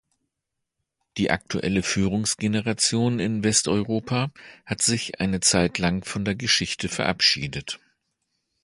Die aktuelle Führungsgeneration in Westeuropa hat sich eine Zeitlang von der Geschichte verabschiedet.